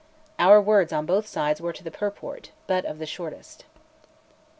Our words on both sides were to the purport, but of the shortest.